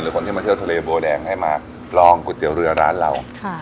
คนที่มาเที่ยวทะเลบัวแดงให้มาลองก๋วยเตี๋ยวเรือร้านเรา